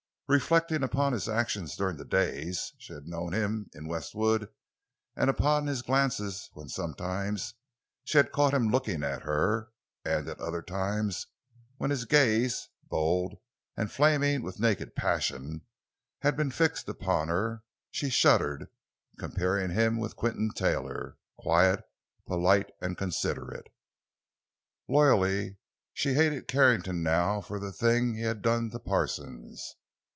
Reflecting upon his actions during the days she had known him in Westwood—and upon his glances when sometimes she had caught him looking at her, and at other times when his gaze—bold, and flaming with naked passion—had been fixed upon her, she shuddered, comparing him with Quinton Taylor, quiet, polite, and considerate. Loyally, she hated Carrington now for the things he had done to Parsons.